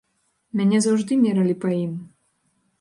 Мяне заўжды мералі па ім.